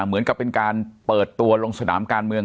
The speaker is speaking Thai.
เหมือนกับเป็นการเปิดตัวลงสนามการเมือง